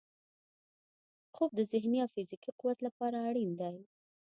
خوب د ذهني او فزیکي قوت لپاره اړین دی